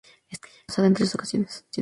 Estuvo casada en tres ocasiones.